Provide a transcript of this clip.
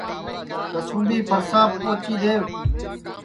کسُُونٚمبی پھرساپ پوچی دؔیوَ